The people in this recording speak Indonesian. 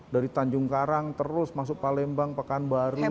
dari tanjung karang terus masuk palembang pekanbaru